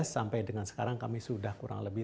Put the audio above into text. sampai dengan sekarang kami sudah kurang lebih